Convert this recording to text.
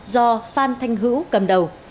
do phan thanh hữu cầm đầu